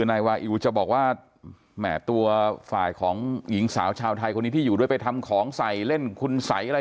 นายวาอิวจะบอกว่าแหม่ตัวฝ่ายของหญิงสาวชาวไทยคนนี้ที่อยู่ด้วยไปทำของใส่เล่นคุณสัยอะไร